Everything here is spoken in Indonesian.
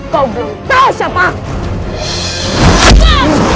kau belum tahu siapa